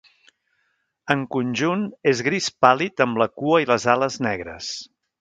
En conjunt, és gris pàl·lid amb la cua i les ales negres.